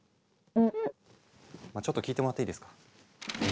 まちょっと聞いてもらっていいですか？